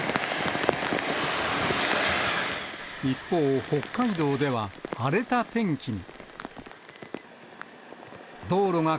一方、北海道では荒れた天気に。